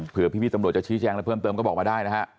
เพื่อพี่ตำรวจจะชี้แจงอะไรเพิ่มเติมก็บอกมาได้นะฮะ